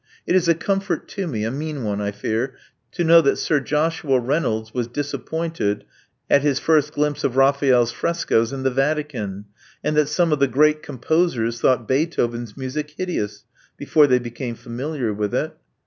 It is a comfort to me — a mean one, I fear — ^to know that Sir Joshua Reynolds was disappointed at his first glimpse of Raphael's frescoes in the Vatican, and that some of the great composers thought Beethoven's music hideous before they became familiar with it."